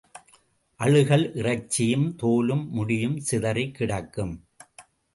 அழுகல் இறைச்சியும் தோலும் முடியும் சிதறிக் கிடக்கும்.